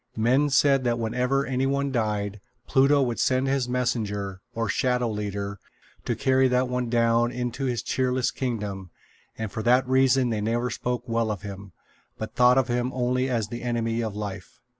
Men said that whenever any one died, Pluto would send his messenger, or Shadow Leader, to carry that one down into his cheerless kingdom; and for that reason they never spoke well of him, but thought of him only as the enemy of life.